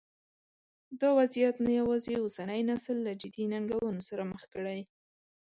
دا وضعیت نه یوازې اوسنی نسل له جدي ننګونو سره مخ کړی.